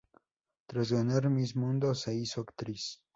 Tras ganar Miss Mundo, se hizo actriz.